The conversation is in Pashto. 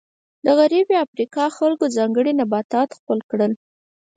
د غربي افریقا خلکو ځانګړي نباتات خپل کړل.